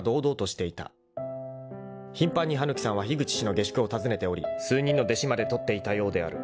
［頻繁に羽貫さんは樋口氏の下宿を訪ねており数人の弟子まで取っていたようである］